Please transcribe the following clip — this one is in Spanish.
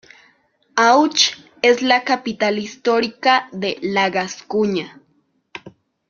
Auch es la capital histórica de la Gascuña.